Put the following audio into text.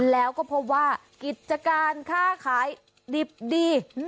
แล้วก็พบว่ากิจการค่าขายดิบดี